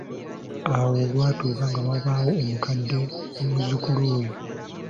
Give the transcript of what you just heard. Awo lwatuuka nga wabaawo omukadde ne muzzukulu we.